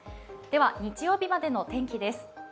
では日曜日までの天気です。